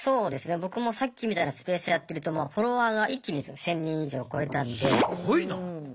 僕もさっきみたいなスペースやってるとフォロワーが一気に１０００人以上超えたので。